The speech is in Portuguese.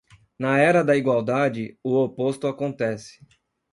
Na era da igualdade, o oposto acontece.